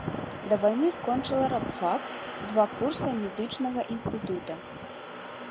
Да вайны скончыла рабфак, два курса медычнага інстытута.